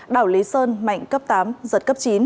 đảo lý sơn mạnh cấp tám giật cấp chín